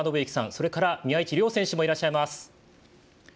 それから宮市亮選手もいらっしゃいます。